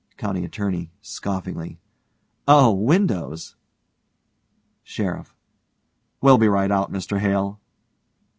COUNTY ATTORNEY: (scoffingly) Oh, windows! SHERIFF: We'll be right out, Mr Hale.